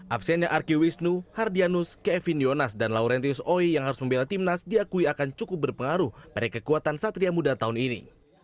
absennya arki wisnu hardianus kevin yonas dan laurentius oi yang harus membela timnas diakui akan cukup berpengaruh pada kekuatan satria muda tahun ini